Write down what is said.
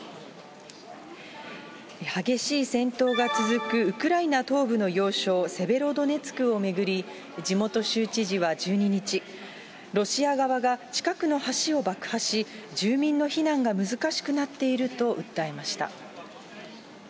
激しい戦闘が続くウクライナ東部の要衝セベロドネツクを巡り、地元州知事は１２日、ロシア側が近くの橋を爆破し、住民の避難が難しくなっていると訴えました。